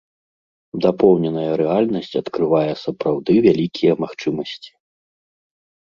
Дапоўненая рэальнасць адкрывае сапраўды вялікія магчымасці.